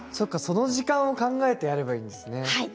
その時間を考えてやればいいんですね。